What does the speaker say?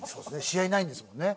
試合ないんですもんね。